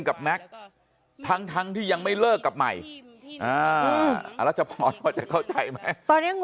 กับแม็กซ์ทั้งที่ยังไม่เลิกกับใหม่แล้วจะเข้าใจไหมตอนนี้